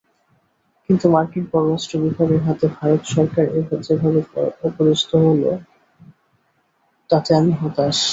কিন্তু মার্কিন পররাষ্ট্র বিভাগের হাতে ভারত সরকার যেভাবে অপদস্ত হলো, তাতে আমি হতাশ।